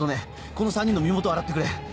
この３人の身元を洗ってくれ。